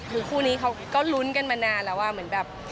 คือคู่นี้เขาก็ลุ้นกันมานานแล้วว่าเหมือนแบบ